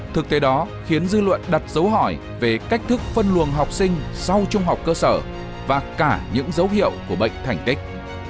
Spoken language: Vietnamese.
thực tế đó khiến dư luận đặt dấu hỏi về cách thức phân luồng học sinh sau trung học cơ sở và cả những dấu hiệu của bệnh thành tích